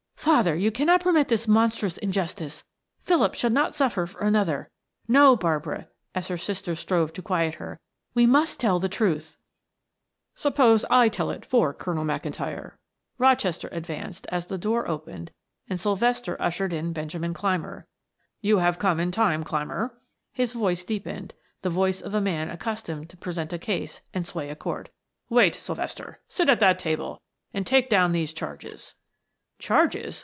"Father! You cannot permit this monstrous injustice, Philip shall not suffer for another. No, Barbara," as her sister strove to quiet her, "we must tell the truth." "Suppose I tell it for Colonel McIntyre," Rochester advanced as the door opened and Sylvester ushered in Benjamin Clymer. "You have come in time, Clymer," his voice deepened, the voice of a man accustomed to present a case and sway a court. "Wait, Sylvester, sit at that table and take down these charges " "Charges?"